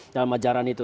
dalam ajaran itu